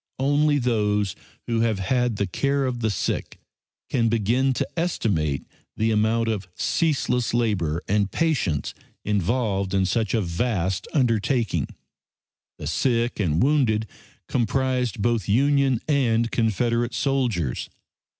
Only those who have had the care of the sick can begin to estimate the amount of ceaseless labor and patience involved in such a vast undertaking. The sick and wounded comprised both Union and Confederate soldiers.